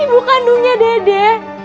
ibu kandungnya dede